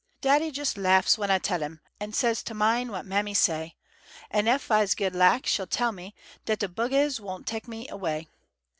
Daddy jes' lafs w'en ah tell 'im, An' says t' min' what mammy say, An' ef ah's good lak she tell me Dat de bugguhs won' tek me away.